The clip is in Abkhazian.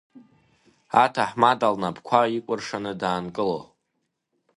Аҭаҳмада лнапқәа икәыршаны даанкыло.